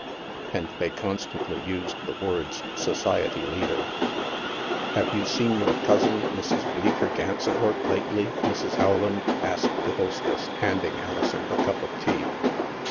And they constantly used the words " society leader." " Have you seen your cousin, Mrs. Bleecker Gansevoort, lately, Mrs. Howland?" asked the hostess, handing Alison her cup of tea.